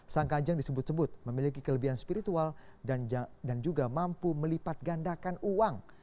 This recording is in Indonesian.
sang kanjeng disebut sebut memiliki kelebihan spiritual dan juga mampu melipat gandakan uang